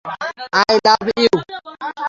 I love you!